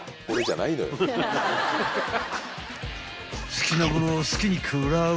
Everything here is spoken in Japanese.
［好きなものを好きに食らう］